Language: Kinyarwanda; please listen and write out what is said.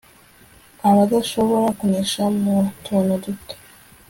Abadashobora kunesha mu tuntu duto